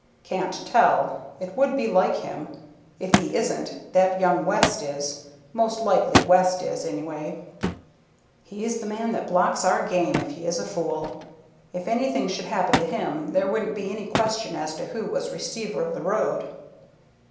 "Can't tell. It would be like him. If he isn't, that young West is. Most likely West is, anyway." "He's the man that blocks our game, if he is a fool. If anything should happen to him, there wouldn't be any question as to who was receiver of the road."